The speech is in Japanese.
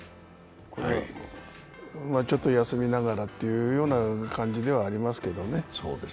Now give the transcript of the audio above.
ちょっと休みながらという感じではありますけれどもね。